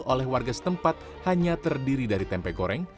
oleh warga setempat hanya terdiri dari tempe goreng